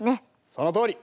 そのとおり！